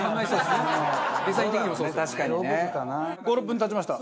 ５６分経ちました。